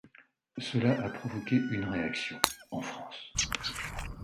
Cela a provoqué une réaction en France.